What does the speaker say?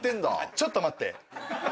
ちょっと待って。